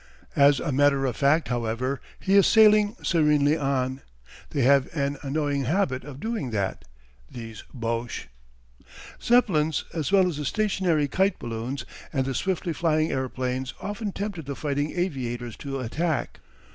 As a matter of fact, however, he is sailing serenely on. They have an annoying habit of doing that, these Boches. Zeppelins as well as the stationary kite balloons and the swiftly flying airplanes often tempted the fighting aviators to attack.